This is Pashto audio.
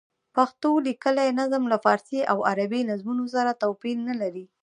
پښتو لیکلی نظم له فارسي او عربي نظمونو سره توپیر نه لري.